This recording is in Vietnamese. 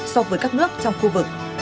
so với các nước trong khu vực